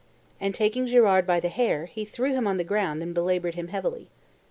and, taking Girard by the hair, he threw him on the ground and belabored him heavily.